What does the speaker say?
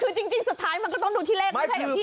คือจริงสุดท้ายมันก็ต้องดูที่เลขไหม